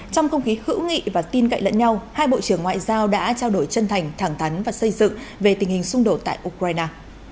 trong không khí hữu nghị và tin cậy lẫn nhau hai bộ trưởng ngoại giao đã trao đổi chân thành thẳng thắn và xây dựng về tình hình xung đột tại ukraine